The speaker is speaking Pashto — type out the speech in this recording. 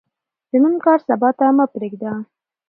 د نن کار، سبا ته مه پریږده.